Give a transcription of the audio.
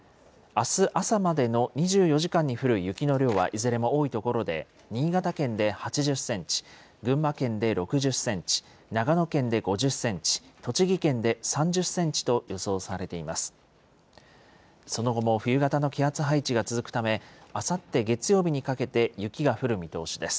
あす朝までの２４時間に降る雪の量はいずれも多い所で、新潟県で８０センチ、群馬県で６０センチ、長野県で５０センチ、栃木県で３０センチと予想されています。